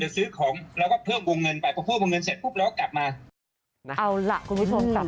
เราต้องการเอาเงินเดี๋ยวซื้อของ